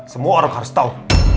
semua orang harus tahu